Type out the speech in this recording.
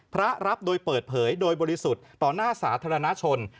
รับโดยเปิดเผยโดยบริสุทธิ์ต่อหน้าสาธารณชน